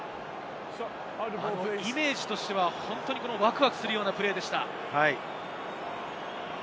イメージとしては本当にワクワクするようなプレーでした。